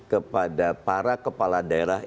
kepada para kepala daerah